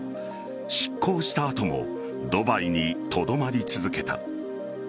失効した後もドバイにとどまり続けた。